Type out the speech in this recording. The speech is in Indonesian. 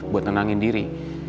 buat ngenangin diri